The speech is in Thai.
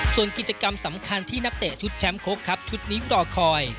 ส่วนกิจกรรมสำคัญที่นักเตะชุดแชมป์โค้กครับชุดนี้รอคอย